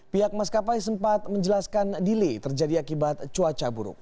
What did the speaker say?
pihak maskapai sempat menjelaskan delay terjadi akibat cuaca buruk